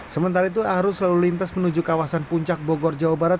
sementara itu arus lalu lintas menuju kawasan puncak bogor jawa barat